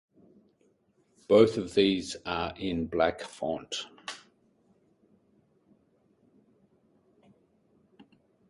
Both of these are in black font.